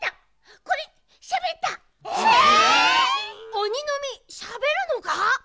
おにのみしゃべるのか？